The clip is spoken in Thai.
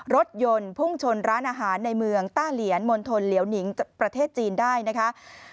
รถยนต์พุ่งชนร้านอาหารในเมืองต้าเหลียนมณฑลเหลียวหนิงประเทศจีนได้นะคะ